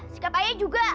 sikap ayah juga